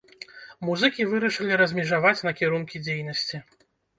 Музыкі вырашылі размежаваць накірункі дзейнасці.